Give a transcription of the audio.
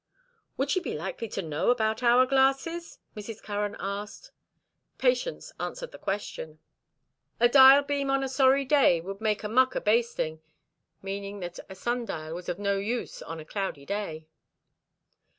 "Would she be likely to know about hourglasses?" Mrs. Curran asked. Patience answered the question. "A dial beam on a sorry day would make a muck o' basting." Meaning that a sundial was of no use on a cloudy day.